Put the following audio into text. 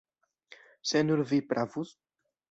Se nur vi pravus!